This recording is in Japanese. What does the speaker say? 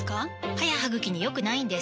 歯や歯ぐきに良くないんです